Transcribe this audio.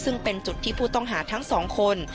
ซึ่งเป็นจุดที่ผู้ต้องหาทั้งสองคน